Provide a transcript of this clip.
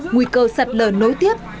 nguy cơ sặt lờn nối tiếp